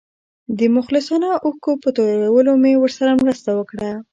د مخلصانه اوښکو په تویولو مې ورسره مرسته وکړه.